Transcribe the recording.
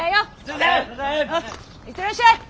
うん行ってらっしゃい！